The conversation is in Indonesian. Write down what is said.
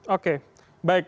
oke baik pak